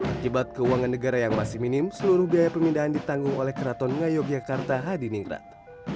akibat keuangan negara yang masih minim seluruh biaya pemindahan ditanggung oleh keraton ngayogyakarta hadiningrat